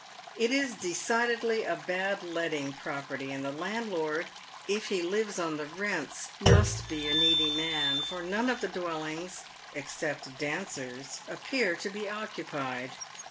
It is decidedly a bad letting property, and the landlord, if he lives on the rents, must be a needy man, for none of the dwellings — except Dancer's — appear to be oc cupied.